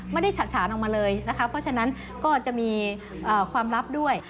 ฉะฉานออกมาเลยนะคะเพราะฉะนั้นก็จะมีความลับด้วย